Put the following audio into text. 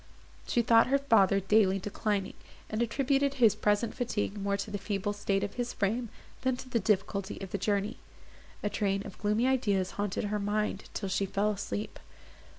She thought her father daily declining, and attributed his present fatigue more to the feeble state of his frame, than to the difficulty of the journey. A train of gloomy ideas haunted her mind, till she fell asleep.